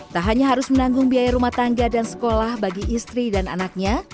tak hanya harus menanggung biaya rumah tangga dan sekolah bagi istri dan anaknya